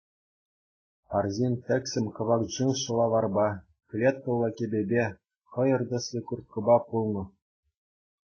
Арҫын тӗксӗм кӑвак джинс шӑлаварпа, клеткӑллӑ кӗпепе, хӑйӑр тӗслӗ курткӑпа пулнӑ.